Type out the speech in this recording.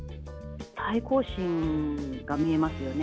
対抗心が見えますよね。